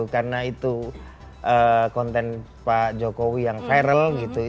karena itu konten pak jokowi yang viral gitu